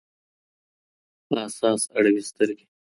په اساس اړوي سـترګـي